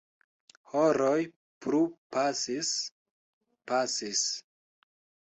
Horoj plu pasis, pasis.